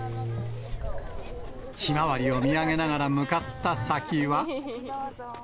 ひまわりを見上げながら向かった先は。